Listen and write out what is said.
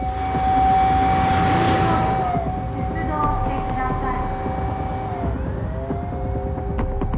「出動してください」